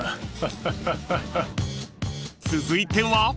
［続いては？］